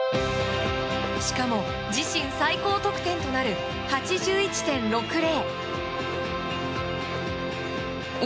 しかも自身最高得点となる８１．６０。